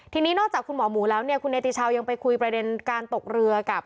ทีนี้นอกจากคุณหมอหมูแล้วเนี่ยคุณเนติชาวยังไปคุยประเด็นการตกเรือกับ